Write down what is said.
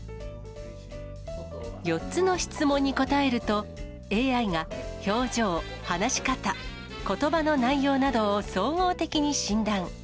４つの質問に答えると、ＡＩが表情、話し方、ことばの内容などを総合的に診断。